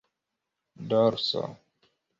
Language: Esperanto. dorso